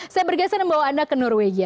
saya bergeser dan bawa anda ke norwegia